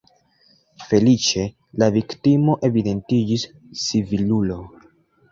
Feliĉe, la viktimo evidentiĝis civilulo.